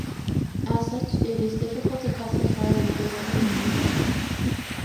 As such, it is difficult to classify within any major family.